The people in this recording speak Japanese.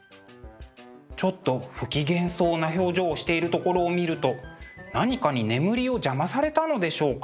ちょっと不機嫌そうな表情をしているところを見ると何かに眠りを邪魔されたのでしょうか？